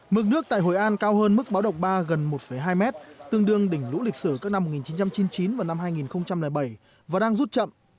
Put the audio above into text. mực nước tại hội an cao hơn mức báo động ba gần một hai mét tương đương đỉnh lũ lịch sử các năm một nghìn chín trăm chín mươi chín và năm hai nghìn bảy và đang rút chậm